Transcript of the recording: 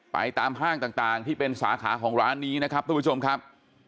ตามห้างต่างที่เป็นสาขาของร้านนี้นะครับทุกผู้ชมครับ